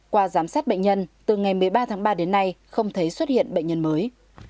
qua giám sát bệnh nhân từ ngày một mươi ba tháng ba đến nay không thấy xuất hiện bệnh nhân mới